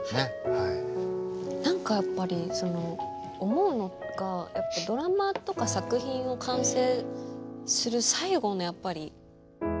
何かやっぱり思うのがやっぱドラマとか作品を完成する最後のやっぱり。